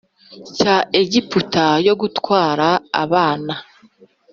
Cya egiputa yo gutwara abana